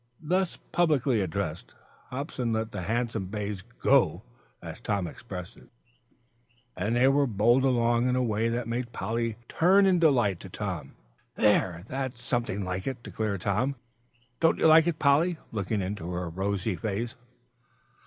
Thus publicly addressed, Hobson let the handsome bays "go" as Tom expressed it, and they were bowled along in a way that made Polly turn in delight to Tom. "There that's something like!" declared Tom. "Don't you like it, Polly?" looking into her rosy face.